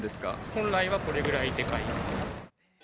本来はこれぐらいでかい。